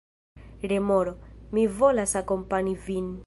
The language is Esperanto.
Remoro: "Mi volas akompani vin."